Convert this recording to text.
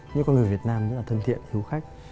nhưng mà người việt nam rất là thân thiện hữu khách